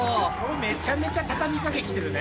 めちゃめちゃ畳みかけにきてるね